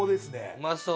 うまそう。